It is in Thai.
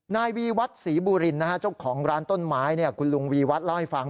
ในวีวัดฉีบูรินนะฮะเจ้าของร้านต้นไม้นี่คุณลุงวีวัด์ล้อยฝั่ง